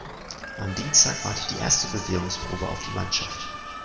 Am Dienstag wartet die erste Bewährungsprobe auf die Mannschaft.